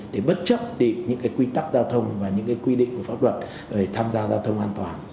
để bất chấp những cái quy tắc giao thông và những cái quy định của pháp luật để tham gia giao thông an toàn